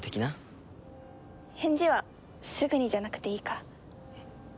返事はすぐにじゃなくていいから。